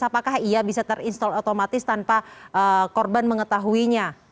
apakah ia bisa terinstall otomatis tanpa korban mengetahuinya